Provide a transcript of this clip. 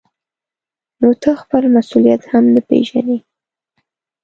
نو ته خپل مسؤلیت هم نه پېژنې.